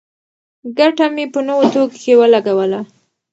ګټه مې په نوو توکو کې ولګوله.